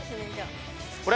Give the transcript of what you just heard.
これ？